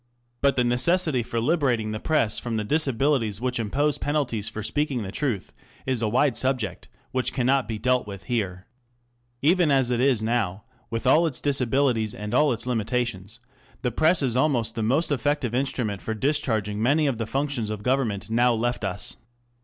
But the necessity for liberating the Press from the disabilities which impose penalties for speaking the . ^truth, is a wide subject, which cannot be dealt with here. Even as it now is, with all its disabilities and all its limitations,, the Press is almost the most effective instrument for discharging many of the functions of government now left us.